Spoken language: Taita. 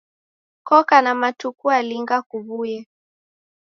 Koka na matuku alinga kuw'uye?